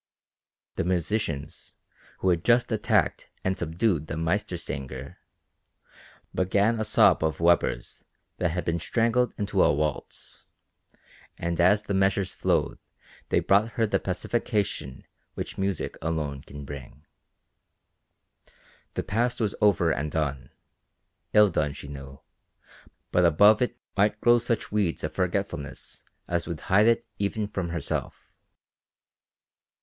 The musicians, who had just attacked and subdued the Meistersänger, began a sob of Weber's that had been strangled into a waltz, and as the measures flowed they brought her that pacification which music alone can bring. The past was over and done, ill done, she knew, but above it might grow such weeds of forgetfulness as would hide it even from herself.